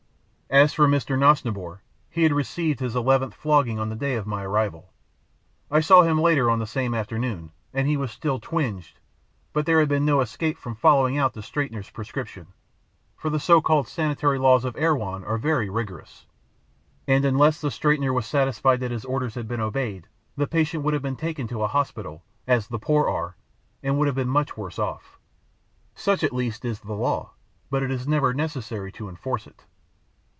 As for Mr. Nosnibor, he had received his eleventh flogging on the day of my arrival. I saw him later on the same afternoon, and he was still twinged; but there had been no escape from following out the straightener's prescription, for the so called sanitary laws of Erewhon are very rigorous, and unless the straightener was satisfied that his orders had been obeyed, the patient would have been taken to a hospital (as the poor are), and would have been much worse off. Such at least is the law, but it is never necessary to enforce it.